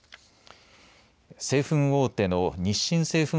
製粉大手の日清製粉